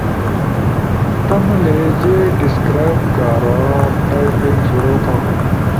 تمو لہجے ڈیسکرائب کارا ٹائپنگ شروع تھا